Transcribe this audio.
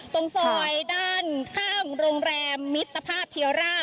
ตรงซอยด้านข้างโรงแรมมิตรภาพเทียร่า